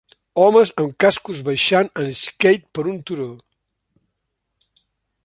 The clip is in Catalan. Homes amb cascos baixant en skate per un turó